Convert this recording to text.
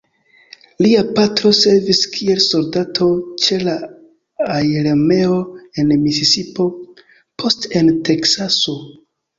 Lia patro servis kiel soldato ĉe la aerarmeo en Misisipo, poste en Teksaso.